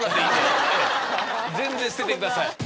全然捨ててください。